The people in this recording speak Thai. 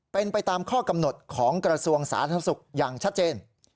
เป็นไปตามข้อกำหนดของกระทรวงสาธารณสุขอย่างชัดเจน